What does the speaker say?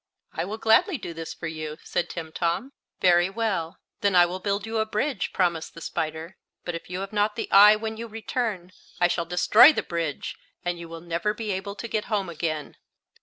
"I will gladly do this for you," said Timtom. "Very well; then I will build you a bridge," promised the spider; "but if you have not the eye with you when you return I shall destroy the bridge, and you will never be able to get home again."